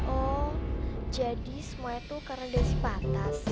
oh jadi semua itu karena desi patas